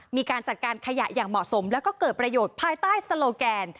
มีการจัดการขยะอย่างเหมาะสมแล้วก็เกิดประโยชน์ภายใต้สโลแกน